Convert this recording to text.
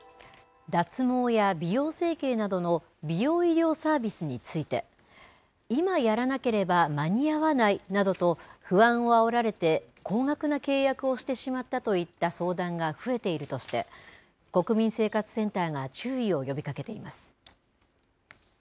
脱毛や美容整形などの美容医療サービスについて、今やらなければ間に合わないなどと、不安をあおられて、高額な契約をしてしまったといった相談が増えているとして、国民生活センターが注意を呼びかけています。